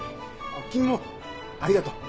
君もありがとう。